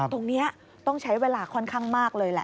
ตรงนี้ต้องใช้เวลาค่อนข้างมากเลยแหละ